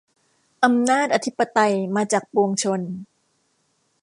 อำนาจอธิปไตยมาจากปวงชน